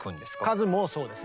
数もそうですね